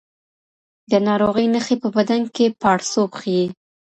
د ناروغۍ نښې په بدن کې پاړسوب ښيي.